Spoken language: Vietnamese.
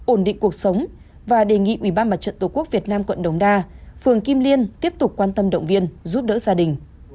ổn định cuộc sống và đề nghị ủy ban mặt trận tổ quốc việt nam quận đống đa phường kim liên tiếp tục quan tâm động viên giúp đỡ gia đình